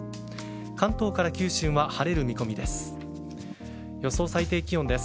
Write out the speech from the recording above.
関東から九州は晴れる見込みです。